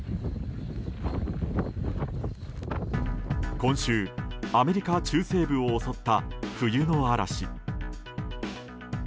今週、アメリカ中西部を襲った冬の嵐。